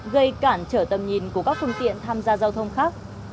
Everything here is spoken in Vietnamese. gây cản trở tầm nhìn của các phương tiện tham gia giao thông khác